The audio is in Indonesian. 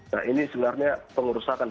nah ini sebenarnya pengurusakan